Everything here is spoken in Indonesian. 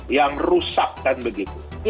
yang rusak kan begitu